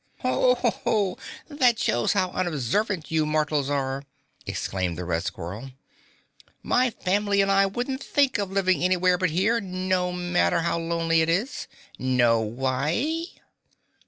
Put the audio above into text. "Oho! That shows how unobserving you mortals are!" exclaimed the red squirrel. "My family and I wouldn't think of living anywhere but here, no matter how lonely it is. Know why?"